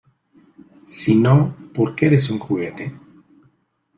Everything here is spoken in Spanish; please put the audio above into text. Sino porque eres un juguete.